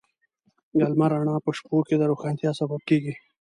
د لمر رڼا په شپو کې د روښانتیا سبب کېږي.